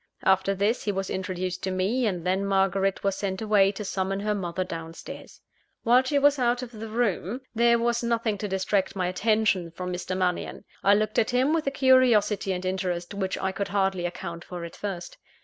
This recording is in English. After this, he was introduced to me; and then Margaret was sent away to summon her mother down stairs. While she was out of the room, there was nothing to distract my attention from Mr. Mannion. I looked at him with a curiosity and interest, Which I could hardly account for at first.